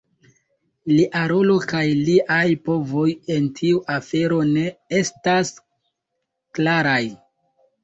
Lia rolo kaj liaj povoj en tiu afero ne estas klaraj.